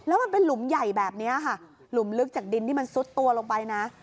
แล้วมันเป็นหลุมใหญ่แบบนี้ค่ะหลุมลึกจากดินที่มันซุดตัวลงไปนะ